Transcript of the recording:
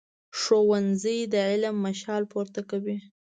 ښوونځی د علم مشال پورته کوي